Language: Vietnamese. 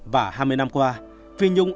và hai mươi năm qua phi nhung